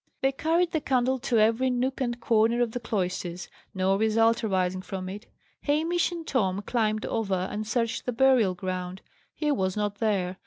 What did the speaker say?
They carried the candle to every nook and corner of the cloisters, no result arising from it. Hamish and Tom climbed over and searched the burial ground. He was not there.